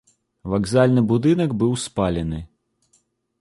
Вакзальны будынак быў спалены.